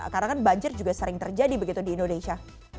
karena kan banjir juga sering terjadi begitu di indonesia